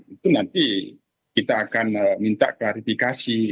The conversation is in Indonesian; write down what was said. itu nanti kita akan minta klarifikasi